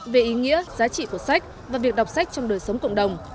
về ý nghĩa giá trị của sách và việc đọc sách trong đời sống cộng đồng